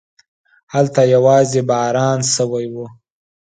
هلته يواځې باران شوی و.